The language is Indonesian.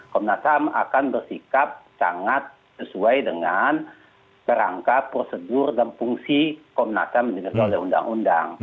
komnas ham akan bersikap sangat sesuai dengan kerangka prosedur dan fungsi komnas ham yang diberikan oleh undang undang